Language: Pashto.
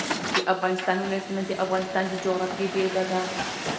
د افغانستان ولايتونه د افغانستان د جغرافیې بېلګه ده.